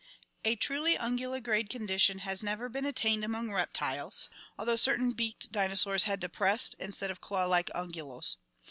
A truly unguligrade condition has never been attained among reptiles, although certain beaked dino saurs had depressed instead of claw like unguals.